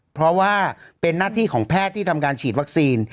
เพราะว่าเป็นหน้าที่ของแพทย์ที่ทำการฉีดวัคซีน